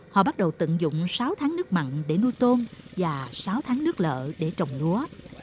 họ bắt đầu tận dụng sáu tháng nước mặn để nuôi tôm và sáu tháng nước lợ để trồng lúa